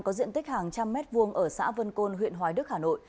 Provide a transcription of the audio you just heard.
có diện tích hàng trăm mét vuông ở xã vân côn huyện hoài đức hà nội